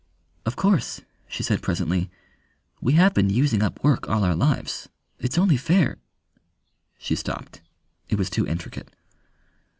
"Of course," she said presently, "we have been using up work all our lives. It's only fair " She stopped. It was too intricate.